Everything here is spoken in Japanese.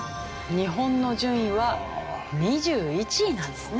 日本の順位は２１位なんですね。